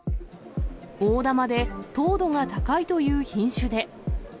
大玉で、糖度が高いという品種で。